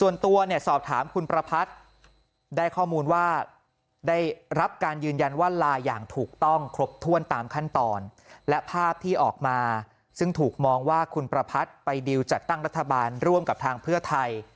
และภาพที่ออกมาซึ่งถูกมองว่าคุณประพัทธ์ไปดีลจัดตั้งรัฐบาลร่วมกับทางเพื่อไทย